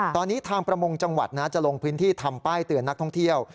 ตอนนี้ทางประมงจังหวัดจะลงพื้นที่ทำป้ายเตือนนักท่องเที่ยว